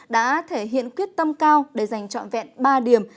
đã thể hiện quyết tâm cao để giành trọn vẹn ba điểm